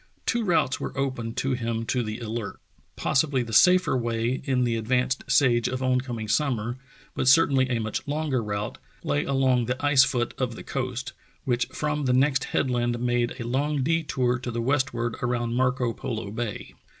Two routes were open to him to the Alert. Possibly the safer way in the advanced stage of oncoming sum mer, but certainly a much longer route, lay along the ice foot of the coast, which from the next headland made a long detour to the westward around Marco Polo Bay.